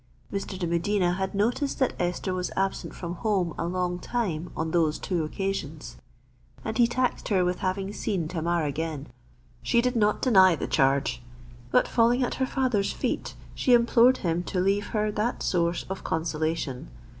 Mr. de Medina had noticed that Esther was absent from home a long time on those two occasions; and he taxed her with having seen Tamar again. She did not deny the charge; but falling at her father's feet, she implored him to leave her that source of consolation.